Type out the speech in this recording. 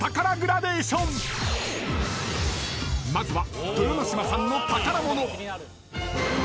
［まずは］